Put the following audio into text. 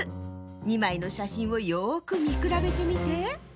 ２まいのしゃしんをよくみくらべてみて！